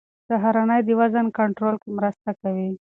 سهارنۍ د وزن کنټرول کې مرسته کوي.